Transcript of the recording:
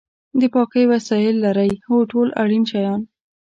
د پاکۍ وسایل لرئ؟ هو، ټول اړین شیان